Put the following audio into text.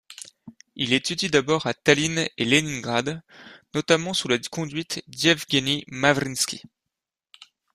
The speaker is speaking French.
Il étudie d'abord à Tallinn et Leningrad, notamment sous la conduite d'Ievgueni Mravinski.